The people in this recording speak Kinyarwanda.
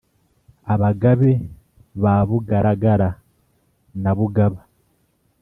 abagabe ba bugaragara na bugaba,